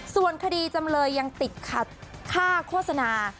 ส่วนคดีจำเลยยังติดขัดค่าโฆษณา